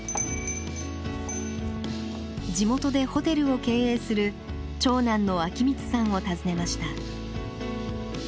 地元でホテルを経営する長男の昭光さんを訪ねました。